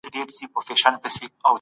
هغه د مجنون په شان عاشق و.